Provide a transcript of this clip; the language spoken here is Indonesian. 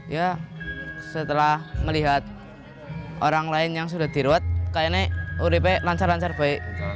ya setelah melihat orang lain yang sudah dirawat kayaknya udp lancar lancar baik